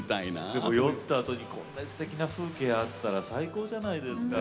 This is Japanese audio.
でも酔ったあとにこんなにすてきな風景あったら最高じゃないですか。